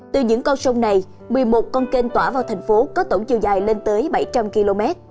từ những con sông này một mươi một con kênh tỏa vào thành phố có tổng chiều dài lên tới bảy trăm linh km